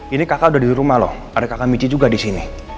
ini kakak udah di rumah loh ada kakak mici juga di sini